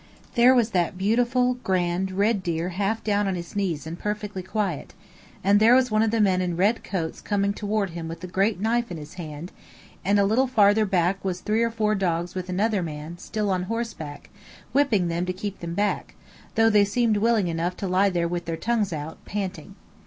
There was that beautiful, grand, red deer half down on his knees and perfectly quiet, and there was one of the men in red coats coming toward him with a great knife in his hand, and a little farther back was three or four dogs with another man, still on horseback, whipping them to keep them back, though they seemed willing enough to lie there with their tongues out, panting.